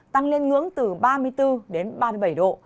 tăng lên ngưỡng từ ba mươi bốn đến ba mươi bảy độ